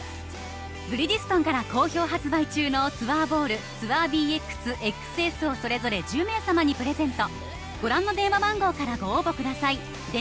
ブリヂストンから好評発売中のツアーボール、ＴＯＵＲＢＸ、ＸＳをそれぞれ１０名様にプレゼント。